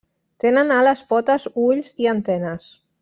Tenen ales, potes, ulls i antenes.